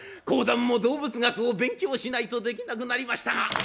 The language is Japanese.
講談も動物学を勉強しないとできなくなりましたが。